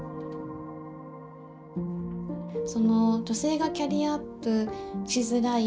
その女性がキャリアアップしづらい